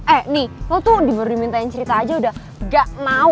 eh nih lo tuh baru dimintain cerita aja udah gak mau